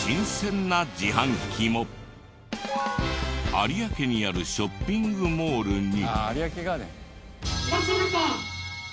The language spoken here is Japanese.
有明にあるショッピングモールに。